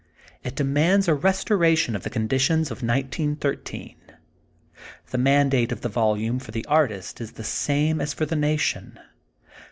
It de mands a restoration of the conditions of 1913. The mandate of the volume for the artist is the same as for the nation.